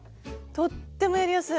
とってもやりやすい。